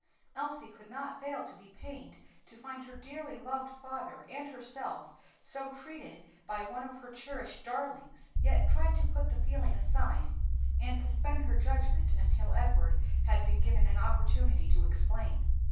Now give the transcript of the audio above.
Elsie could not fail to be pained to find her dearly loved father and herself so treated by one of her cherished darlings, yet tried to put the feeling aside and suspend her judgment until Edward had been given an opportunity to explain.